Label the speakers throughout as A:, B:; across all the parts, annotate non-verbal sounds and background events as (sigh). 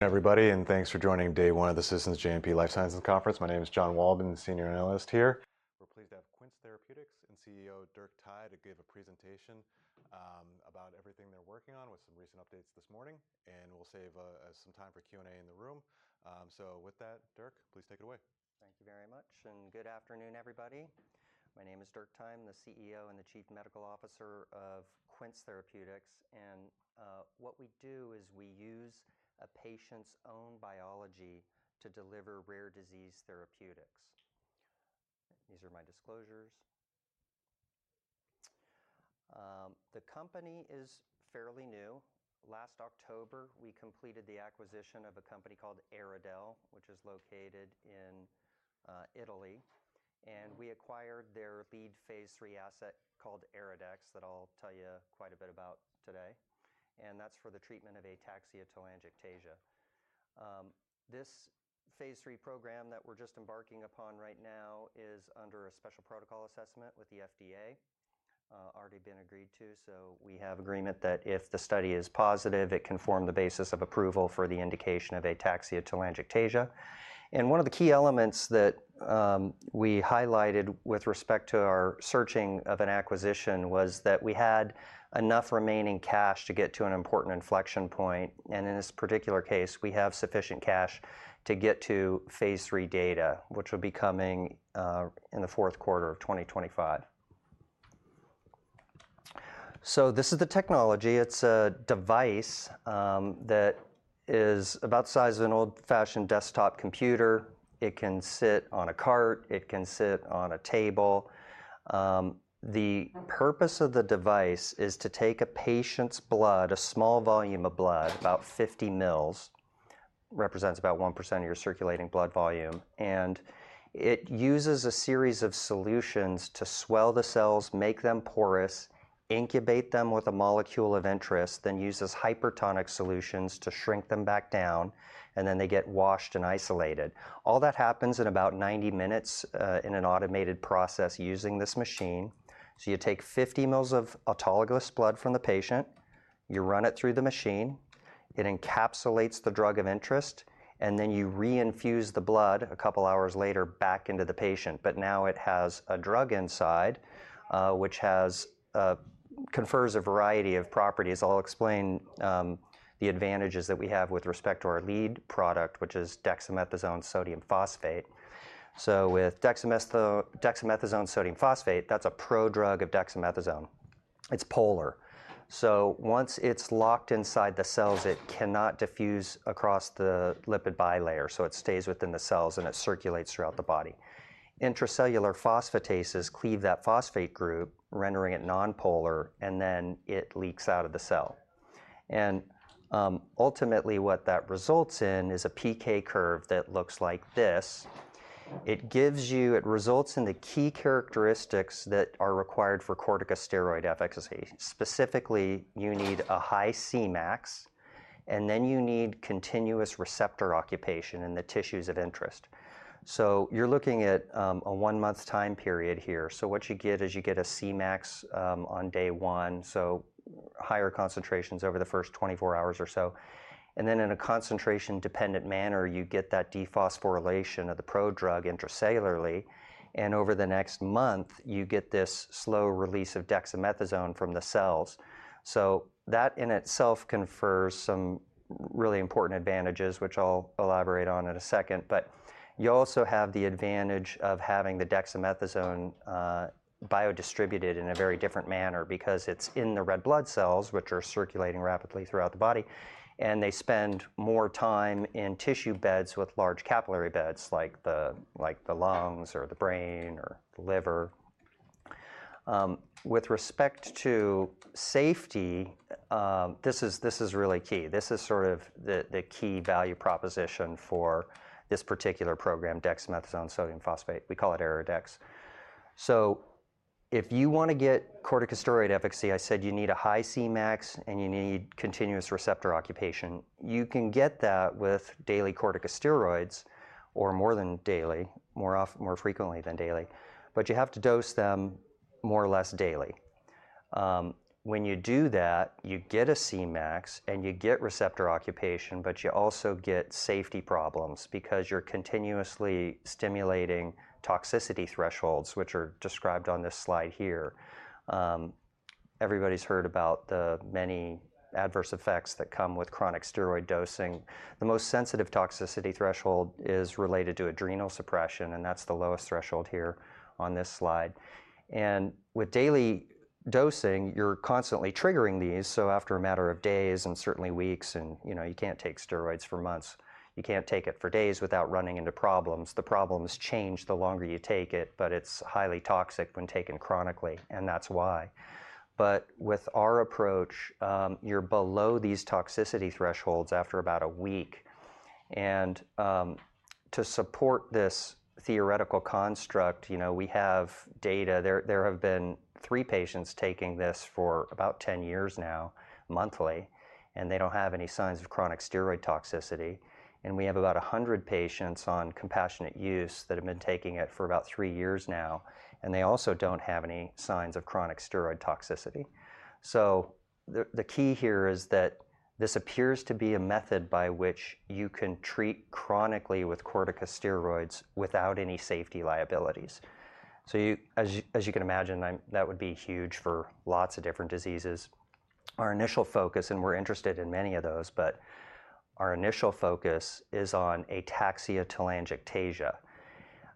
A: Everybody, and thanks for joining day one of the Citizens JMP Life Sciences Conference. My name is John Walden, Senior Analyst here. We're pleased to have Quince Therapeutics and CEO Dirk Thye to give a presentation, about everything they're working on with some recent updates this morning. And we'll save, some time for Q&A in the room. So with that, Dirk, please take it away.
B: Thank you very much, and good afternoon, everybody. My name is Dirk Thye. I'm the CEO and the Chief Medical Officer of Quince Therapeutics, and what we do is we use a patient's own biology to deliver rare disease therapeutics. These are my disclosures. The company is fairly new. Last October we completed the acquisition of a company called EryDel, which is located in Italy, and we acquired their lead phase III asset called EryDex that I'll tell you quite a bit about today, and that's for the treatment of ataxia telangiectasia. This phase III program that we're just embarking upon right now is under a special protocol assessment with the FDA, already been agreed to, so we have agreement that if the study is positive it can form the basis of approval for the indication of ataxia telangiectasia. One of the key elements that we highlighted with respect to our searching of an acquisition was that we had enough remaining cash to get to an important inflection point, and in this particular case we have sufficient cash to get to phase III data, which will be coming in the fourth quarter of 2025. So this is the technology. It's a device that is about the size of an old-fashioned desktop computer. It can sit on a cart. It can sit on a table. The purpose of the device is to take a patient's blood, a small volume of blood, about 50 mL, represents about 1% of your circulating blood volume, and it uses a series of solutions to swell the cells, make them porous, incubate them with a molecule of interest, then uses hypertonic solutions to shrink them back down, and then they get washed and isolated. All that happens in about 90 minutes, in an automated process using this machine. So you take 50 mL of autologous blood from the patient, you run it through the machine, it encapsulates the drug of interest, and then you reinfuse the blood a couple hours later back into the patient, but now it has a drug inside, which has, confers a variety of properties. I'll explain, the advantages that we have with respect to our lead product, which is dexamethasone sodium phosphate. So with dexamethasone sodium phosphate, that's a prodrug of dexamethasone. It's polar. So once it's locked inside the cells it cannot diffuse across the lipid bilayer, so it stays within the cells and it circulates throughout the body. Intracellular phosphatases cleave that phosphate group, rendering it nonpolar, and then it leaks out of the cell. Ultimately what that results in is a PK curve that looks like this. It gives you it results in the key characteristics that are required for corticosteroid efficacy. Specifically, you need a high Cmax, and then you need continuous receptor occupation in the tissues of interest. So you're looking at a one-month time period here. So what you get is you get a Cmax on day one, so higher concentrations over the first 24 hours or so, and then in a concentration-dependent manner you get that dephosphorylation of the prodrug intracellularly, and over the next month you get this slow release of dexamethasone from the cells. So that in itself confers some really important advantages, which I'll elaborate on in a second, but you also have the advantage of having the dexamethasone biodistributed in a very different manner because it's in the red blood cells, which are circulating rapidly throughout the body, and they spend more time in tissue beds with large capillary beds like the lungs or the brain or the liver. With respect to safety, this is really key. This is sort of the key value proposition for this particular program, dexamethasone sodium phosphate. We call it EryDex. So if you want to get corticosteroid efficacy, I said you need a high Cmax and you need continuous receptor occupation. You can get that with daily corticosteroids, or more than daily, more frequently than daily, but you have to dose them more or less daily. When you do that you get a Cmax and you get receptor occupation, but you also get safety problems because you're continuously stimulating toxicity thresholds, which are described on this slide here. Everybody's heard about the many adverse effects that come with chronic steroid dosing. The most sensitive toxicity threshold is related to adrenal suppression, and that's the lowest threshold here on this slide. With daily dosing you're constantly triggering these, so after a matter of days and certainly weeks, and you can't take steroids for months. You can't take it for days without running into problems. The problems change the longer you take it, but it's highly toxic when taken chronically, and that's why. With our approach, you're below these toxicity thresholds after about a week. To support this theoretical construct, you know, we have data. There have been three patients taking this for about 10 years now, monthly, and they don't have any signs of chronic steroid toxicity. We have about 100 patients on compassionate use that have been taking it for about three years now, and they also don't have any signs of chronic steroid toxicity. So the key here is that this appears to be a method by which you can treat chronically with corticosteroids without any safety liabilities. So as you can imagine, that would be huge for lots of different diseases. Our initial focus, and we're interested in many of those, but our initial focus is on ataxia telangiectasia.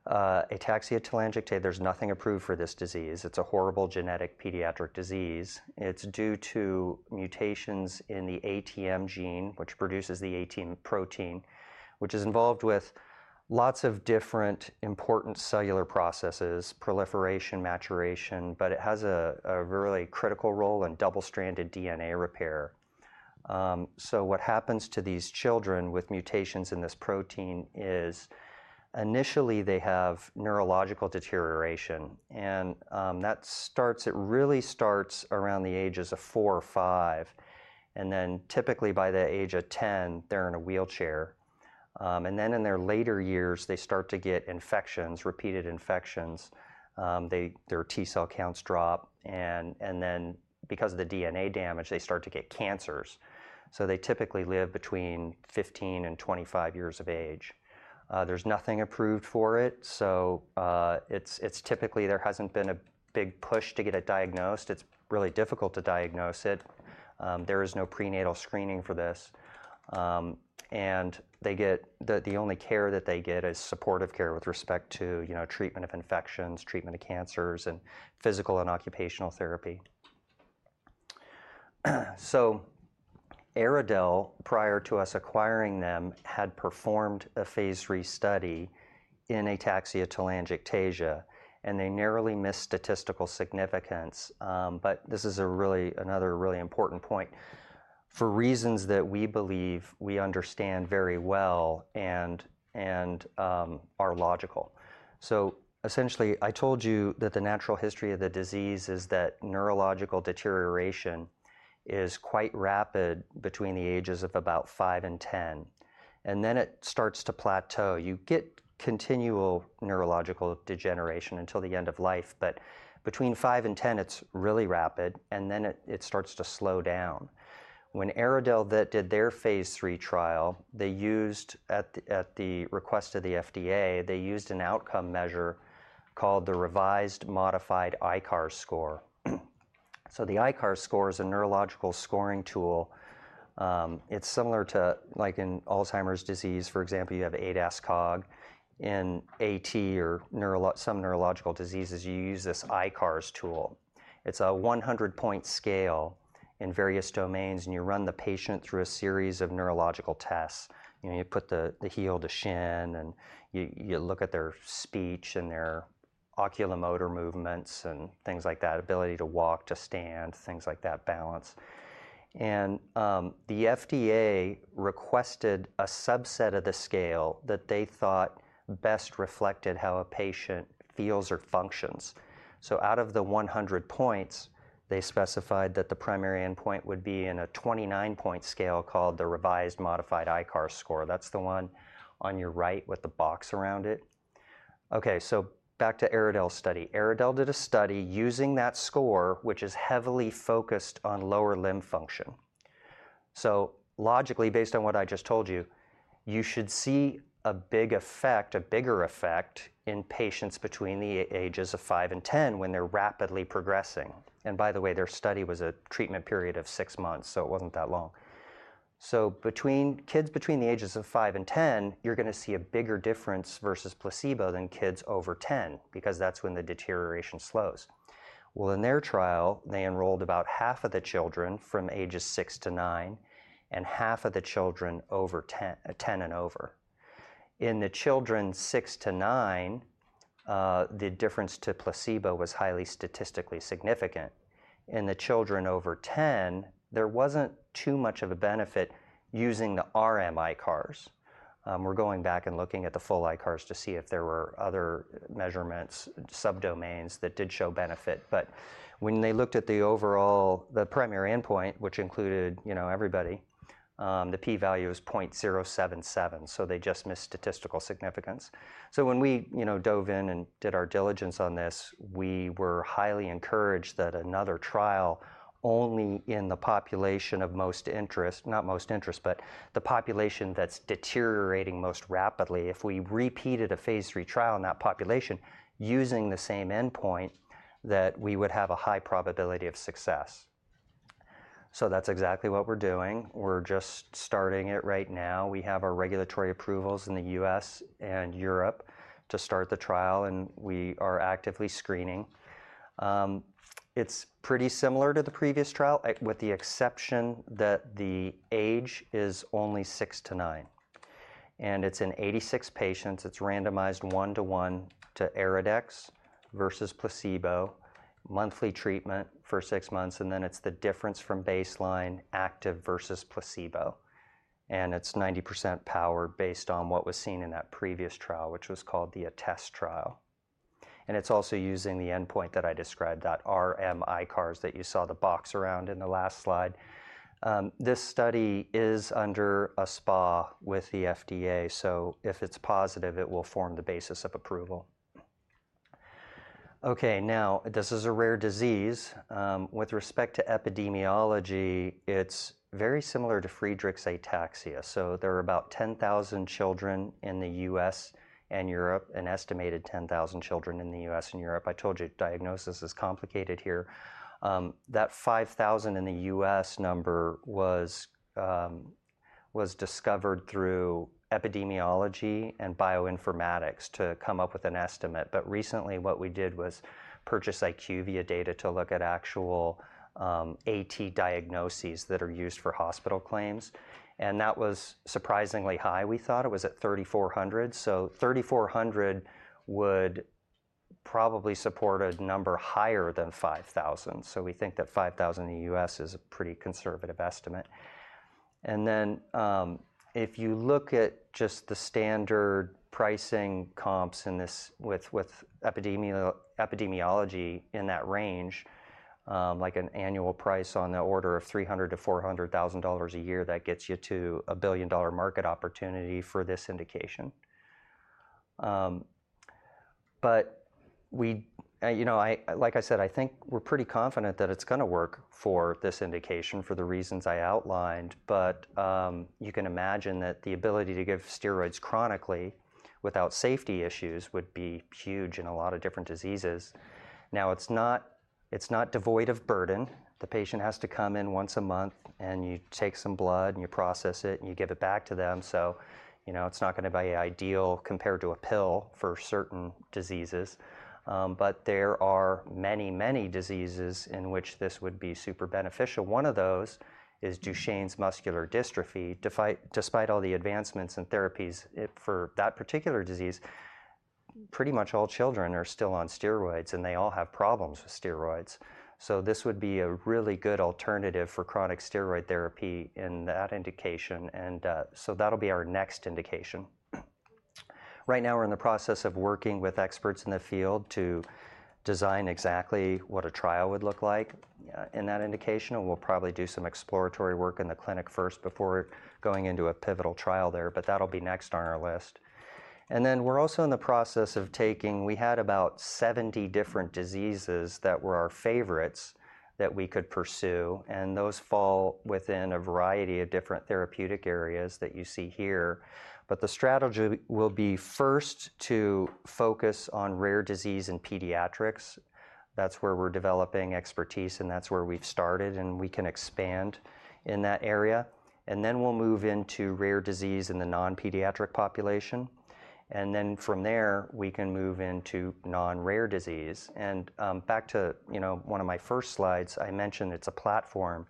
B: Ataxia telangiectasia, there's nothing approved for this disease. It's a horrible genetic pediatric disease. It's due to mutations in the ATM gene, which produces the ATM protein, which is involved with lots of different important cellular processes, proliferation, maturation, but it has a really critical role in double-stranded DNA repair. So what happens to these children with mutations in this protein is initially they have neurological deterioration, and that starts, it really starts around the ages of four or five, and then typically by the age of 10 they're in a wheelchair. And then in their later years they start to get infections, repeated infections. Their T-cell counts drop, and then because of the DNA damage they start to get cancers. So they typically live between 15 and 25 years of age. There's nothing approved for it, so it's typically there hasn't been a big push to get it diagnosed. It's really difficult to diagnose it. There is no prenatal screening for this. They get the only care that they get is supportive care with respect to, you know, treatment of infections, treatment of cancers, and physical and occupational therapy. So EryDel, prior to us acquiring them, had performed a phase III study in ataxia telangiectasia, and they narrowly missed statistical significance, but this is another really important point for reasons that we believe we understand very well and are logical. So essentially I told you that the natural history of the disease is that neurological deterioration is quite rapid between the ages of about five and 10, and then it starts to plateau. You get continual neurological degeneration until the end of life, but between five and 10 it's really rapid, and then it starts to slow down. When EryDel did their phase III trial, they used, at the request of the FDA, they used an outcome measure called the revised modified ICARS score. So the ICARS score is a neurological scoring tool. It's similar to, like in Alzheimer's disease, for example, you have ADAS-Cog. In AT or some neurological diseases you use this ICARS tool. It's a 100-point scale in various domains, and you run the patient through a series of neurological tests. You put the heel to shin, and you look at their speech and their oculomotor movements and things like that, ability to walk, to stand, things like that, balance. The FDA requested a subset of the scale that they thought best reflected how a patient feels or functions. So out of the 100 points they specified that the primary endpoint would be in a 29-point scale called the revised modified ICARS score. That's the one on your right with the box around it. Okay, so back to EryDel's study. EryDel did a study using that score, which is heavily focused on lower limb function. So logically, based on what I just told you, you should see a big effect, a bigger effect, in patients between the ages of five and 10 when they're rapidly progressing. And by the way, their study was a treatment period of six months, so it wasn't that long. So kids between the ages of five and 10 you're going to see a bigger difference versus placebo than kids over 10 because that's when the deterioration slows. Well, in their trial they enrolled about half of the children from ages six to nine and half of the children over 10, 10 and over. In the children six to nine, the difference to placebo was highly statistically significant. In the children over 10, there wasn't too much of a benefit using the RmICARS. We're going back and looking at the full ICARS to see if there were other measurements, subdomains, that did show benefit, but when they looked at the overall, the primary endpoint, which included, you know, everybody, the p-value was 0.077, so they just missed statistical significance. So when we, you know, dove in and did our diligence on this, we were highly encouraged that another trial only in the population of most interest, not most interest, but the population that's deteriorating most rapidly, if we repeated a phase III trial in that population using the same endpoint, that we would have a high probability of success. So that's exactly what we're doing. We're just starting it right now. We have our regulatory approvals in the U.S. and Europe to start the trial, and we are actively screening. It's pretty similar to the previous trial, with the exception that the age is only 6-9. It's in 86 patients. It's randomized 1:1 to EryDex versus placebo, monthly treatment for six months, and then it's the difference from baseline, active versus placebo, and it's 90% powered based on what was seen in that previous trial, which was called the ATEST trial. It's also using the endpoint that I described, that RmICARS that you saw the box around in the last slide. This study is under a SPA with the FDA, so if it's positive it will form the basis of approval. Okay, now this is a rare disease. With respect to epidemiology, it's very similar to Friedreich's ataxia. So there are about 10,000 children in the U.S. and Europe, an estimated 10,000 children in the U.S. and Europe. I told you diagnosis is complicated here. That 5,000 in the U.S. number was discovered through epidemiology and bioinformatics to come up with an estimate, but recently what we did was purchase IQVIA data to look at actual, A-T diagnoses that are used for hospital claims, and that was surprisingly high, we thought. It was at 3,400, so 3,400 would probably support a number higher than 5,000, so we think that 5,000 in the U.S. is a pretty conservative estimate. And then, if you look at just the standard pricing comps in this with epidemiology in that range, like an annual price on the order of $300,000-$400,000 a year that gets you to a billion-dollar market opportunity for this indication. But we, you know, like I said, I think we're pretty confident that it's going to work for this indication for the reasons I outlined, but you can imagine that the ability to give steroids chronically without safety issues would be huge in a lot of different diseases. Now it's not devoid of burden. The patient has to come in once a month, and you take some blood, and you process it, and you give it back to them, so, you know, it's not going to be ideal compared to a pill for certain diseases. But there are many, many diseases in which this would be super beneficial. One of those is Duchenne muscular dystrophy. Despite all the advancements and therapies for that particular disease, pretty much all children are still on steroids, and they all have problems with steroids. So this would be a really good alternative for chronic steroid therapy in that indication, and so that'll be our next indication. Right now we're in the process of working with experts in the field to design exactly what a trial would look like in that indication, and we'll probably do some exploratory work in the clinic first before going into a pivotal trial there, but that'll be next on our list. And then we're also in the process of taking we had about 70 different diseases that were our favorites that we could pursue, and those fall within a variety of different therapeutic areas that you see here, but the strategy will be first to focus on rare disease in pediatrics. That's where we're developing expertise, and that's where we've started, and we can expand in that area. Then we'll move into rare disease in the non-pediatric population, and then from there we can move into non-rare disease. Back to, you know, one of my first slides, I mentioned it's a platform.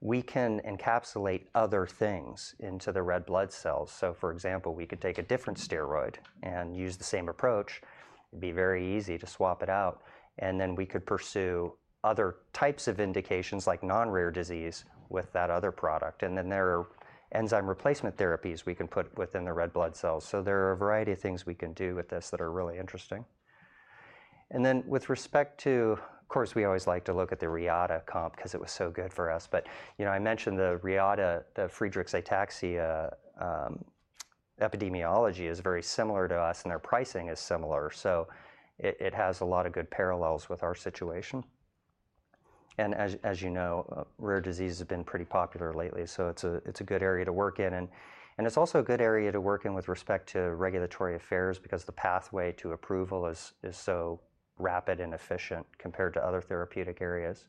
B: We can encapsulate other things into the red blood cells. So for example, we could take a different steroid and use the same approach. It'd be very easy to swap it out, and then we could pursue other types of indications like non-rare disease with that other product, and then there are enzyme replacement therapies we can put within the red blood cells. So there are a variety of things we can do with this that are really interesting. And then with respect to, of course, we always like to look at the Reata comp because it was so good for us, but, you know, I mentioned the Reata, the Friedreich's ataxia epidemiology is very similar to us, and their pricing is similar, so it has a lot of good parallels with our situation. And as you know, rare disease has been pretty popular lately, so it's a good area to work in, and it's also a good area to work in with respect to regulatory affairs because the pathway to approval is so rapid and efficient compared to other therapeutic areas.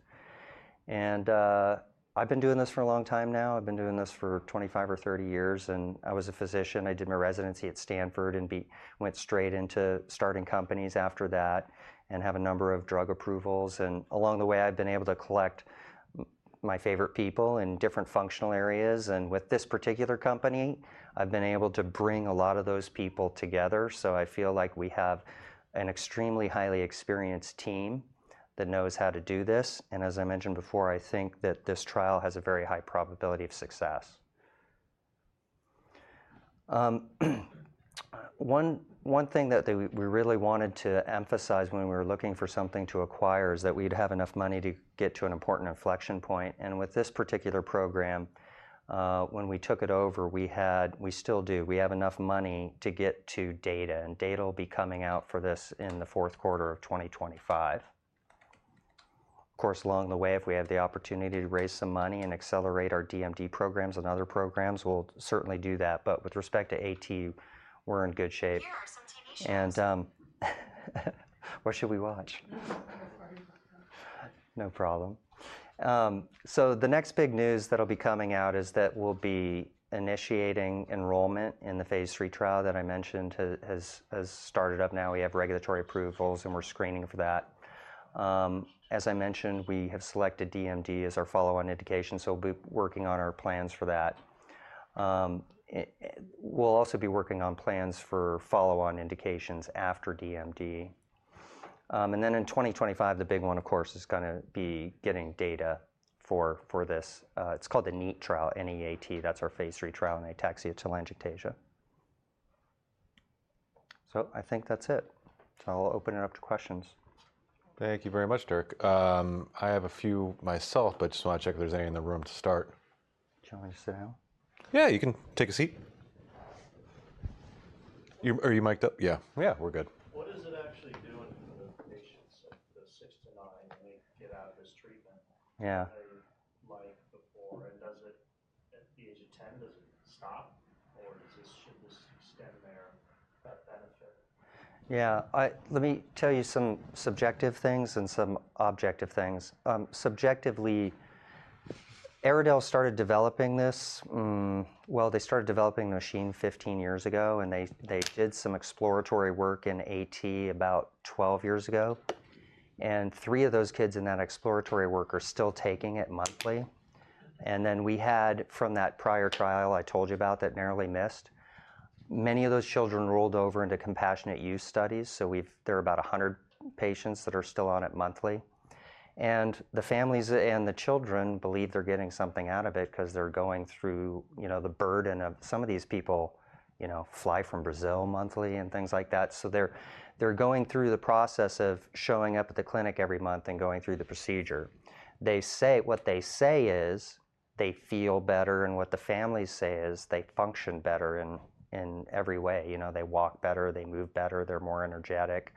B: And I've been doing this for a long time now. I've been doing this for 25 or 30 years, and I was a physician. I did my residency at Stanford and went straight into starting companies after that and have a number of drug approvals. And along the way I've been able to collect my favorite people in different functional areas, and with this particular company I've been able to bring a lot of those people together, so I feel like we have an extremely highly experienced team that knows how to do this. And as I mentioned before, I think that this trial has a very high probability of success. One thing that we really wanted to emphasize when we were looking for something to acquire is that we'd have enough money to get to an important inflection point, and with this particular program, when we took it over we had, we still do, we have enough money to get to data, and data will be coming out for this in the fourth quarter of 2025. Of course, along the way if we have the opportunity to raise some money and accelerate our DMD programs and other programs we'll certainly do that, but with respect to A-T we're in good shape. Here are some TV shows. What should we watch? (audio distortion) No problem. So the next big news that'll be coming out is that we'll be initiating enrollment in the phase III trial that I mentioned has started up now. We have regulatory approvals, and we're screening for that. As I mentioned, we have selected DMD as our follow-on indication, so we'll be working on our plans for that. We'll also be working on plans for follow-on indications after DMD. And then in 2025 the big one, of course, is going to be getting data for this. It's called the NEAT trial, N-E-A-T. That's our phase III trial in ataxia telangiectasia. So I think that's it. So I'll open it up to questions.
A: Thank you very much, Dirk. I have a few myself, but I just want to check if there's any in the room to start.
B: Do you want me to sit down?
A: Yeah, you can take a seat. Are you mic'd up? Yeah, yeah, we're good. (audio distortion) get out of this treatment?
B: Yeah.
A: Like before, and does it, at the age of ten, does it (audio distortion)
B: Yeah, let me tell you some subjective things and some objective things. Subjectively, EryDel started developing this, well, they started developing the machine 15 years ago, and they did some exploratory work in A-T about 12 years ago, and 3 of those kids in that exploratory work are still taking it monthly. And then we had, from that prior trial I told you about that narrowly missed, many of those children rolled over into compassionate use studies, so there are about 100 patients that are still on it monthly. And the families and the children believe they're getting something out of it because they're going through the burden of some of these people fly from Brazil monthly and things like that, so they're going through the process of showing up at the clinic every month and going through the procedure. What they say is they feel better, and what the families say is they function better in every way. They walk better, they move better, they're more energetic.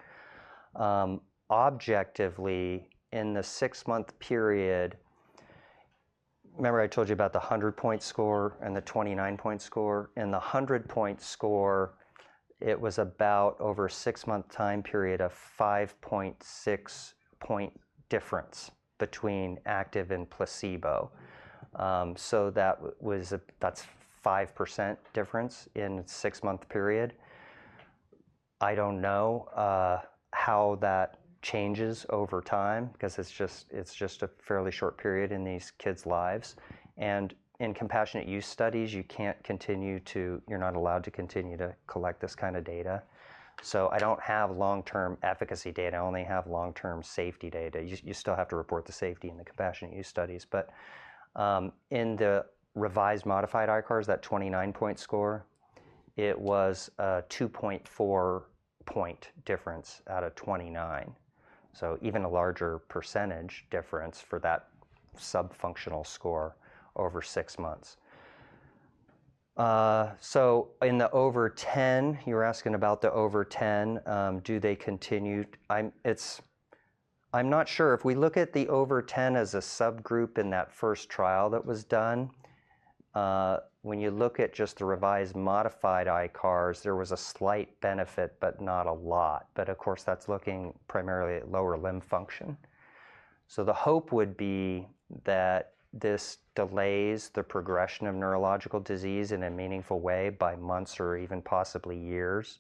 B: Objectively, in the six-month period, remember I told you about the 100-point score and the 29-point score? In the 100-point score it was about, over a six-month time period, a 5.6-point difference between active and placebo. So that's a 5% difference in a six-month period. I don't know how that changes over time because it's just a fairly short period in these kids' lives, and in compassionate use studies you can't continue to, you're not allowed to continue to collect this kind of data. So I don't have long-term efficacy data. I only have long-term safety data. You still have to report the safety in the compassionate use studies, but in the Revised Modified ICARS, that 29-point score, it was a 2.4-point difference out of 29, so even a larger percentage difference for that sub functional score over six months. So in the over ten, you were asking about the over ten, do they continue? I'm not sure. If we look at the over ten as a subgroup in that first trial that was done, when you look at just the Revised Modified ICARS there was a slight benefit but not a lot, but of course that's looking primarily at lower limb function. So the hope would be that this delays the progression of neurological disease in a meaningful way by months or even possibly years,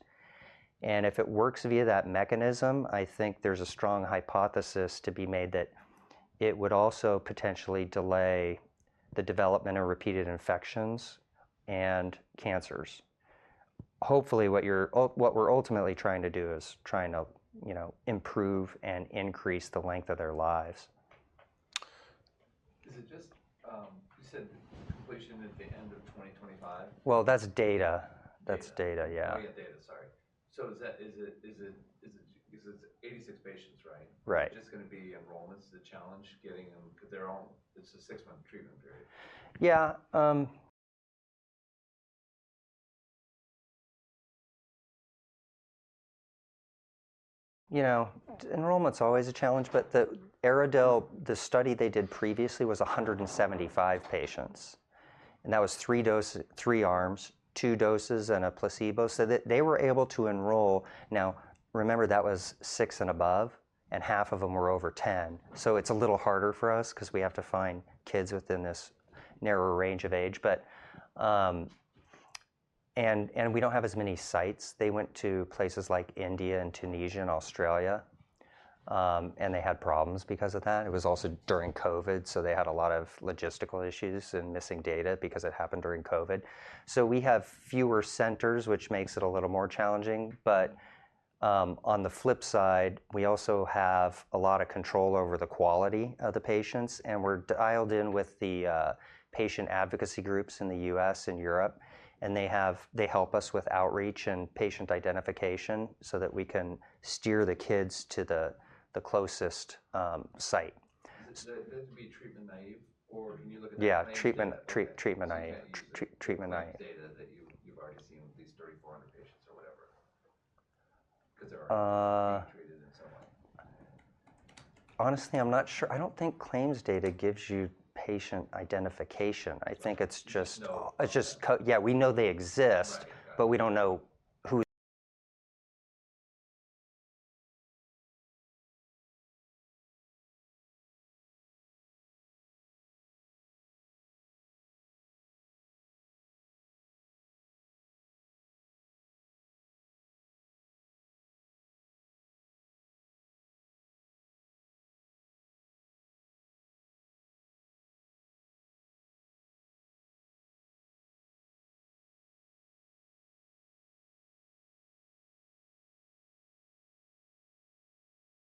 B: and if it works via that mechanism I think there's a strong hypothesis to be made that it would also potentially delay the development of repeated infections and cancers. Hopefully what we're ultimately trying to do is try to improve and increase the length of their lives.
A: (audio distortion) at the end of 2025?
B: Well, that's data. That's data, yeah.
A: Oh, yeah, data, sorry. So is it 86 patients, right?
B: Right.
A: Just going to be enrollments the challenge getting them because it's a six-month treatment period?
B: Yeah. You know, enrollment's always a challenge, but the EryDel, the study they did previously was 175 patients, and that was three arms, two doses, and a placebo, so they were able to enroll. Now, remember that was six and above, and half of them were over 10, so it's a little harder for us because we have to find kids within this narrower range of age, and we don't have as many sites. They went to places like India and Tunisia and Australia, and they had problems because of that. It was also during COVID, so they had a lot of logistical issues and missing data because it happened during COVID. So we have fewer centers, which makes it a little more challenging, but on the flip side we also have a lot of control over the quality of the patients, and we're dialed in with the patient advocacy groups in the U.S. and Europe, and they help us with outreach and patient identification so that we can steer the kids to the closest site.
A: (audio distortion) treatment naive, or can you look at the claims data?
B: Yeah, treatment-naive.
A: (audio distortion) data that you've already seen with these 3,400 patients or whatever because. (audio distortion)
B: Honestly, I'm not sure. I don't think claims data gives you patient identification. I think it's just, yeah, we know they exist, but we don't know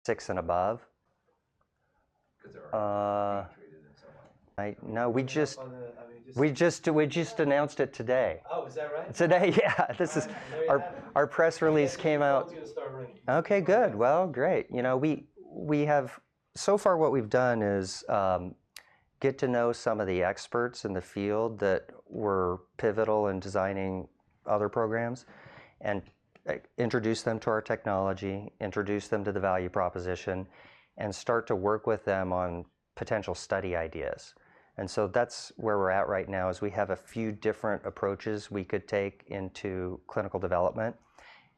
B: who. Six and above?
A: (audio distortion)
B: No, we just announced it today.
A: (audio distortion)
B: Today, yeah. Our press release came out.
A: (audio distortion)
B: Okay, good. Well, great. You know, so far what we've done is get to know some of the experts in the field that were pivotal in designing other programs, and introduce them to our technology, introduce them to the value proposition, and start to work with them on potential study ideas. And so that's where we're at right now is we have a few different approaches we could take into clinical development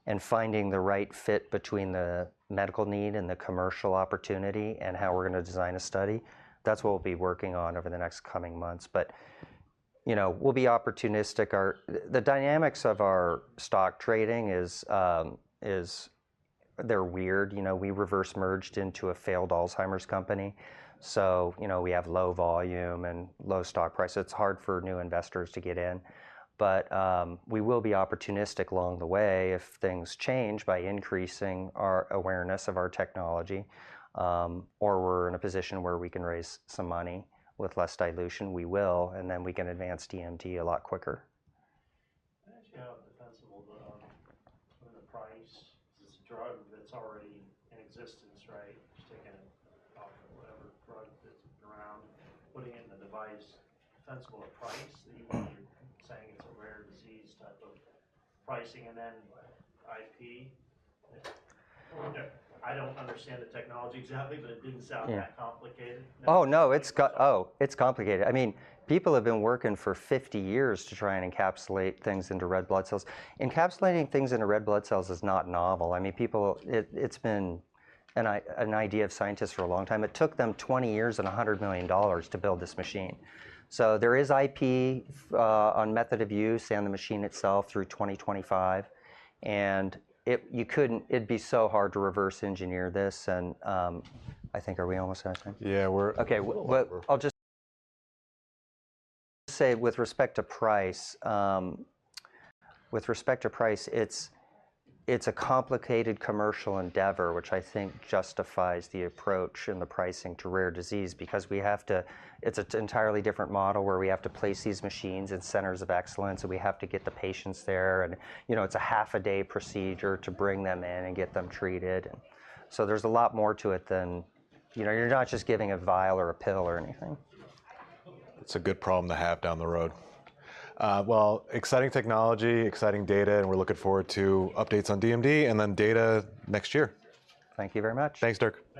B: and finding the right fit between the medical need and the commercial opportunity and how we're going to design a study. That's what we'll be working on over the next coming months, but we'll be opportunistic. The dynamics of our stock trading is they're weird. We reverse merged into a failed Alzheimer's company, so we have low volume and low stock price. It's hard for new investors to get in, but we will be opportunistic along the way if things change by increasing our awareness of our technology, or we're in a position where we can raise some money with less dilution. We will, and then we can advance DMD a lot quicker.
A: (audio distortion) drug that's already in existence, right? Just taking it off of whatever drug that's been around, putting it in a device. Defensible at price that you want to be saying it's a rare disease type of pricing, and then IP? I don't understand the technology exactly, but it didn't sound that complicated.
B: Oh, no, it's complicated. I mean, people have been working for 50 years to try and encapsulate things into red blood cells. Encapsulating things into red blood cells is not novel. I mean, it's been an idea of scientists for a long time. It took them 20 years and $100 million to build this machine. So there is IP on method of use and the machine itself through 2025, and it'd be so hard to reverse engineer this, and I think, are we almost done?
A: Yeah, we're.
B: Okay, I'll just say with respect to price, it's a complicated commercial endeavor, which I think justifies the approach and the pricing to rare disease because we have to, it's an entirely different model where we have to place these machines in centers of excellence, and we have to get the patients there, and it's a half-a-day procedure to bring them in and get them treated. So there's a lot more to it than you're not just giving a vial or a pill or anything.
A: That's a good problem to have down the road. Well, exciting technology, exciting data, and we're looking forward to updates on DMD and then data next year.
B: Thank you very much.
A: Thanks, Dirk.